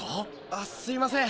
あすいません